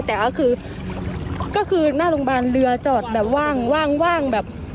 แต่ก็คือหน้าโรงพยาบาลเรือจอดแบบว่างแบบไม่มีใครมาช่วยเลย